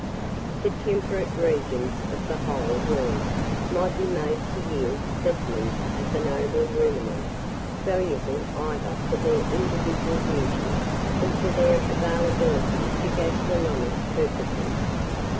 The temperate regions of the whole world might be made to yield specimens of the noble ruminant, valuable either for their individual beauty, or for their availability to gastronomic purposes.